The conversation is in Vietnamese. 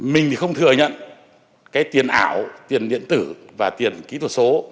mình thì không thừa nhận cái tiền ảo tiền điện tử và tiền kỹ thuật số